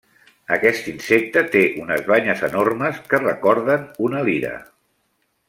Aquest insecte té unes banyes enormes que recorden una lira.